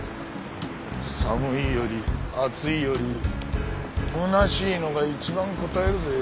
寒いより暑いより空しいのが一番こたえるぜ。